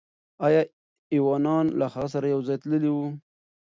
آیا ایوانان له هغه سره یو ځای تللي وو؟